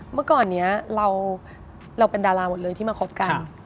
เมื่อก่อนนี้เราเป็นดาราหมดเลยที่มาคบกัน